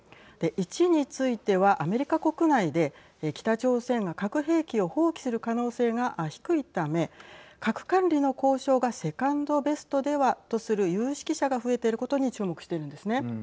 １については、アメリカ国内で北朝鮮が核兵器を放棄する可能性が低いため核管理の交渉がセカンドベストではとする有識者が増えていることに注目しているんですね。